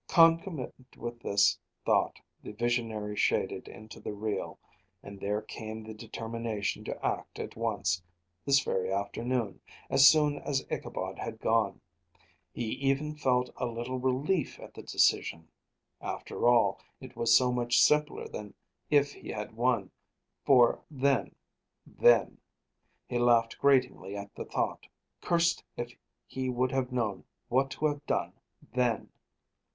Concomitant with this thought the visionary shaded into the real, and there came the determination to act at once, this very afternoon, as soon as Ichabod had gone. He even felt a little relief at the decision. After all, it was so much simpler than if he had won, for then then He laughed gratingly at the thought. Cursed if he would have known what to have done, then!